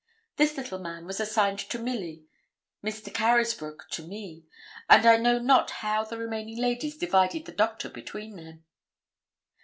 This little man was assigned to Milly, Mr. Carysbroke to me, and I know not how the remaining ladies divided the doctor between them.